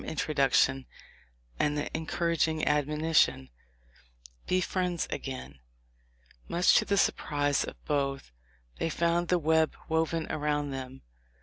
227 introduction and the encouraging admonition, "Be friends again." Much to the surprise of both they found the web woven around them.